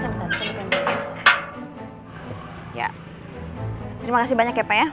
terima kasih banyak ya pak ya